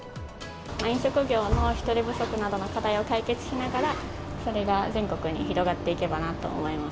飲食業の人手不足などの課題を解決しながら、それが全国に広がっていけばなと思います。